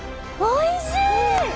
おいしい！